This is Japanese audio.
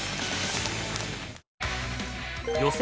予選